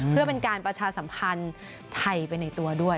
เพื่อเป็นการประชาสัมพันธ์ไทยไปในตัวด้วย